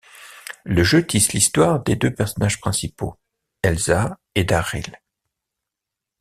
Le jeu tisse l'histoire des deux personnages principaux, Elsa et Darril.